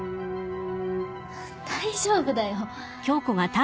大丈夫だよ。